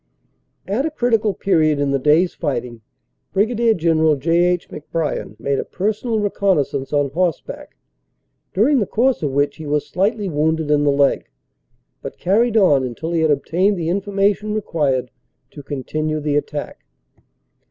At a critical period in the day s fighting Brig. General J. H. McBrien made a personal reconnaissance on horseback, during the course of which he was slightly wounded in the leg, but carried on until he had obtained the information required to continue the attack.